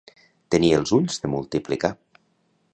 Tenir els ulls de multiplicar.